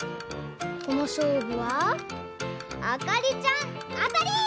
このしょうぶはあかりちゃんあたり！